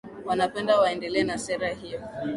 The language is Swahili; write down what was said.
wanapenda waendelee na sera hiyo